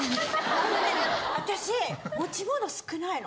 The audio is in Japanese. あのね私持ち物少ないの。